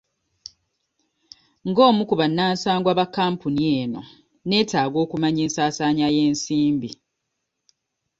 Ng'omu ku bannasangwa ba kampuni eno neetaga okumanya ensasaanya y'ensimbi.